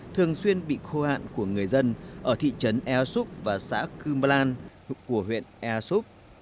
thường xuyên bị khô hạn của người dân ở thị trấn ea xúc và xã cưm blan của huyện ea xúc